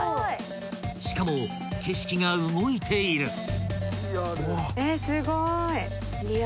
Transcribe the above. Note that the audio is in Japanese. ［しかも景色が動いている］